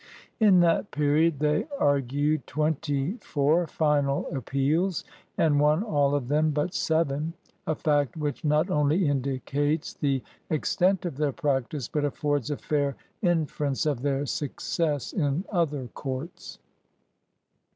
In that period they argued twenty four final appeals, and won all of them but seven, a fact which not only indicates the extent of their practice, but affords a fair infer ence of their success in other courts.